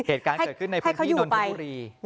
เหตุการณ์เกิดขึ้นในพื้นที่นนทบุรี